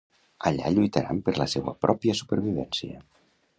Allà lluitaran per la seua pròpia supervivència.